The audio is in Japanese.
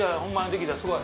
できたすごい。